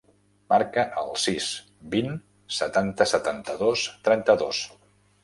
Marca el sis, vint, setanta, setanta-dos, trenta-dos.